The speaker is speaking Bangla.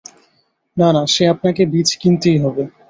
না, না, সে-আপনাকে বীজ কিনতেই হবে।